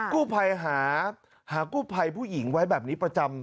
กู้ภัยหากู้ภัยผู้หญิงไว้แบบนี้ประจำ